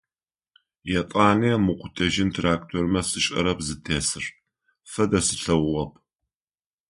Етӏани мыкъутэжьын трактормэ сшӏэрэп зытесыр, фэдэ слъэгъугъэп.